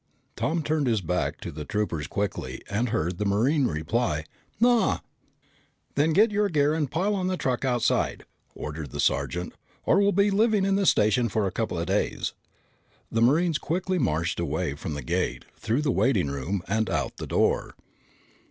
Tom turned his back to the troopers quickly and heard the Marine reply, "Naw." "Then get your gear and pile on the truck outside," ordered the sergeant, "or we'll be living in this station for a couple of days." The Marines quickly marched away from the gate, through the waiting room, and out the door.